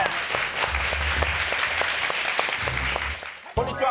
こんにちは！